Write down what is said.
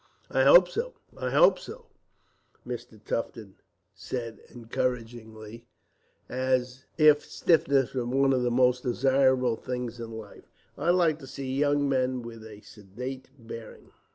"I hope so, I hope so," Mr. Tufton said encouragingly, and as if stiffness were one of the most desirable things in life. "I like to see young men with a sedate bearing.